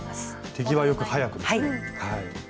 手際よく速くですね。